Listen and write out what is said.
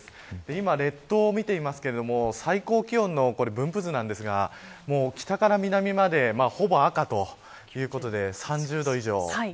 今、列島を見ていますが最高気温の分布図なんですが北から南までほぼ赤ということで３０度以上。